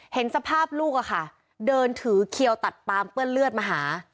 เห็นสภาพลูกอะค่ะเดินถือเขียวตัดปามเปื้อนเลือดมาหา